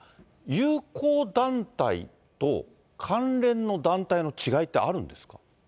友好団体と関連の団体の違いってあるんですか。